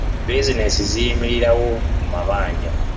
Bizinensi ziyimirirawo ku mabanja.